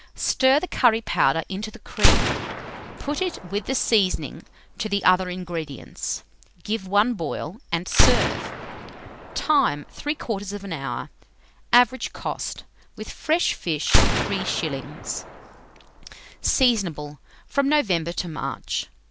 Stir the curry powder into the cream; put it, with the seasoning, to the other ingredients; give one boil, and serve. Time. 3/4 hour. Average cost, with fresh fish, 3s. Seasonable from November to March.